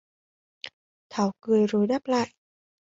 Thảo cười rồi đáp lại